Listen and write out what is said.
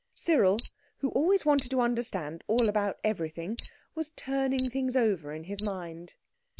Cyril, who always wanted to understand all about everything, was turning things over in his mind.